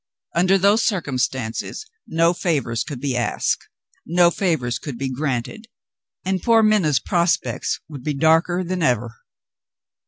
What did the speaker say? Under those circumstances, no favors could be asked, no favors could be granted and poor Minna's prospects would be darker than ever.